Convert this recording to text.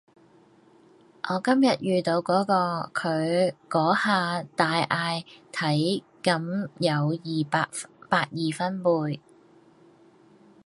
我今日遇到嗰個，佢嗰下大嗌體感有百二分貝